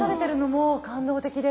もう感動的です。